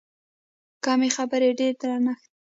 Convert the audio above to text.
کمې خبرې، ډېر درنښت.